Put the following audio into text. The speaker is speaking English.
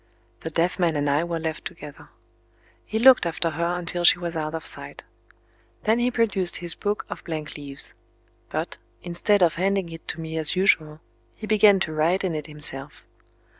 The deaf man and I were left together. He looked after her until she was out of sight. Then he produced his book of blank leaves. But, instead of handing it to me as usual, he began to write in it himself.